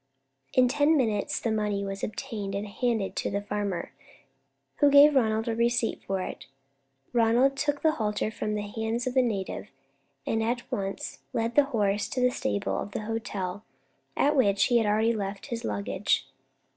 In ten minutes the money was obtained and handed to the farmer, who gave Ronald a receipt for it. Ronald took the halter from the hands of the native, and at once led the horse to the stable of the hotel at which he had already left his luggage.